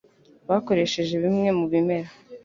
bakoresheje bimwe mu bimera